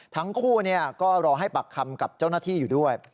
ทั้งคู่ก็รอให้ปากคำกับเจ้าหน้าที่อยู่ด้วย